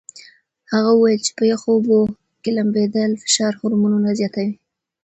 هغه وویل چې په یخو اوبو کې لامبېدل فشار هورمونونه زیاتوي.